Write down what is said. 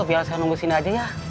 biar saya nunggu sini aja ya